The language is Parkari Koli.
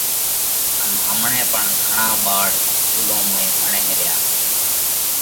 ان همڻئہ پڻ گھڻا ٻاۯ اِسڪُولون ۾ ڀڻئه ريا۔